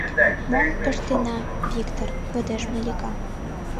Мом ыштена, Виктыр? — йодеш Малика.